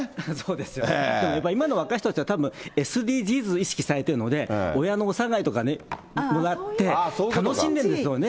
でも今の若い人たちはたぶん、ＳＤＧｓを意識されてるので、親のおさがりとかもらって楽しんでるんですよね。